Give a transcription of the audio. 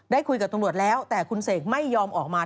คุยกับตำรวจแล้วแต่คุณเสกไม่ยอมออกมา